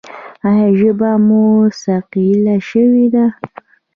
ایا ژبه مو ثقیله شوې ده؟